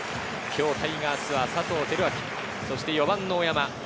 今日、タイガースは佐藤輝明、４番の大山。